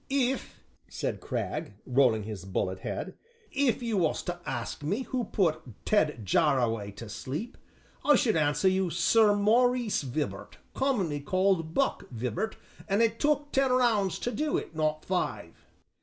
'" "If," said Cragg, rolling his bullet head, "if you was to ask me who put Ted Jarraway to sleep, I should answer you, Sir Maurice Vibart, commonly called 'Buck' Vibart; an' it took ten rounds to do it, not five."